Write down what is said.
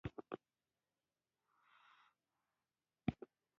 سلطان له څو تنو خواصو سره ناست وو.